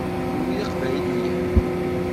Kenwi d Iqbayliyen?